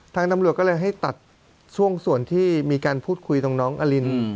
ทางตำรวจก็เลยให้ตัดช่วงส่วนที่มีการพูดคุยตรงน้องอลิน